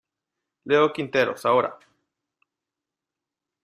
Leo Quinteros, ahora!